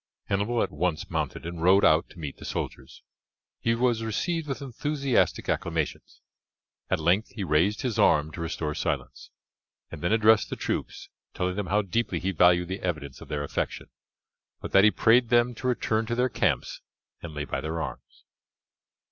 Hannibal at once mounted and rode out to meet the soldiers. He was received with enthusiastic acclamations; at length he raised his arm to restore silence, and then addressed the troops, telling them how deeply he valued the evidence of their affection, but that he prayed them to return to their camps and lay by their arms.